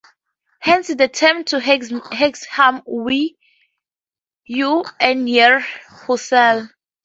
Hence the term To Hexham wi' you an' ye'r whussel!